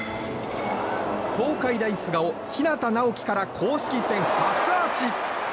東海大菅生日當直喜から公式戦初アーチ。